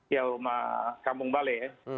ya rumah kampung balai ya